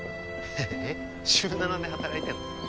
えっ週７で働いてんの？